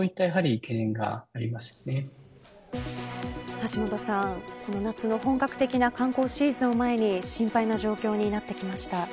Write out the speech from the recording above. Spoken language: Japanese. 橋下さんこの夏の本格的な観光シーズンを前に心配な状況になってきました。